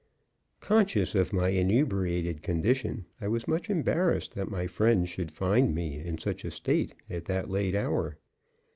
Conscious of my inebriated condition, I was much embarrassed that my friend should find me in such a state at that late hour.